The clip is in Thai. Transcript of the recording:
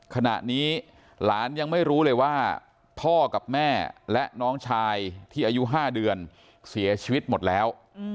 ขณะนี้หลานยังไม่รู้เลยว่าพ่อกับแม่และน้องชายที่อายุ๕เดือนเสียชีวิตหมดแล้ว